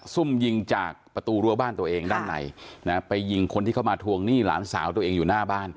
ซุ่มยิงจากประตูรั้วบ้านตัวเองด้านในนะไปยิงคนที่เข้ามาทวงหนี้หลานสาวตัวเองอยู่หน้าบ้าน